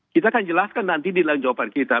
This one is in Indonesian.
kita akan jelaskan nanti di dalam jawaban kita